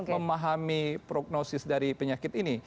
memahami prognosis dari penyakit ini